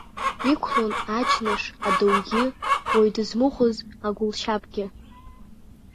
Иқәлон аџьныш, адаугьы, уаҩ дызмыхәоз агәылшьапгьы.